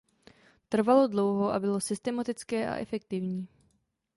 Trvalo dlouho a bylo systematické a efektivní.